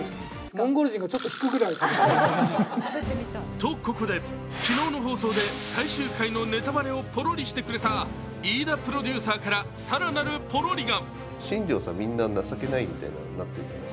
と、ここで昨日の放送で最終回のネタバレをポロリしてくれた飯田プロデューサーから更なるポロリが。